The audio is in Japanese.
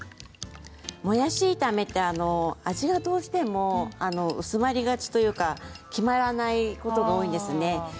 もやし炒めって味がどうしても薄まりがちというか決まらないことが多いんですね。